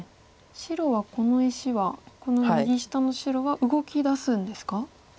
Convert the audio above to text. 白はこの石はこの右下の白は動きだすんですか？